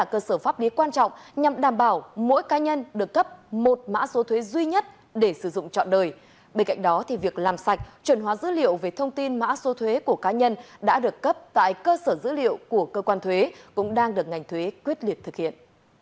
chuyển hóa dữ liệu về thông tin mã số thuế của cá nhân đã được cấp tại cơ sở dữ liệu của cơ quan thuế cũng đang được ngành thuế quyết liệt thực hiện